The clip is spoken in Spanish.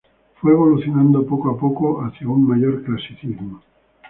Fue evolucionando poco a poco hacia un mayor clasicismo.